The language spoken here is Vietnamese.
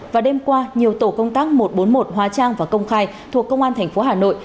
và đêm qua nhiều tổ công tác một trăm bốn mươi một hóa trang và công khai thuộc công an thành phố hà nội